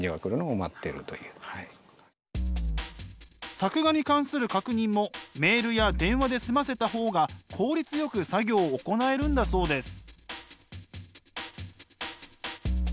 作画に関する確認もメールや電話で済ませた方が効率よく作業を行えるんだそうです。